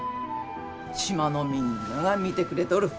島のみんなが見てくれとる。